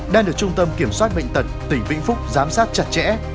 đang được trung tâm kiểm soát bệnh tật tỉnh vĩnh phúc giám sát chặt chẽ